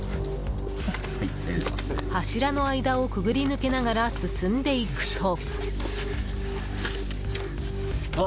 柱の間をくぐり抜けながら進んでいくと。